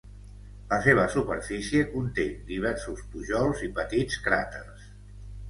La seva superfície conté diversos pujols i petits cràters.